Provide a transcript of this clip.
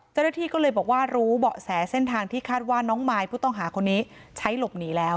เจ้าหน้าที่ก็เลยบอกว่ารู้เบาะแสเส้นทางที่คาดว่าน้องมายผู้ต้องหาคนนี้ใช้หลบหนีแล้ว